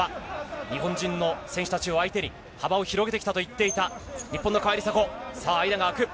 日本人の選手たちを相手に幅を広げてきたと言っていた日本の川井梨紗子。